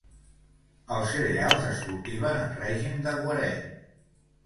Els cereals es cultiven en règim de guaret.